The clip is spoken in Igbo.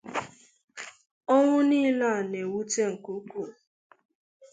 Ọnwụ niile a na-ewute nke ukwuu